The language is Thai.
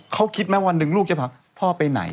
เขาคิดไหมวันหนึ่งลูกจะพาพ่อไปไหน